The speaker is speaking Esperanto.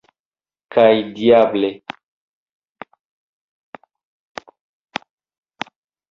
Kaj diable!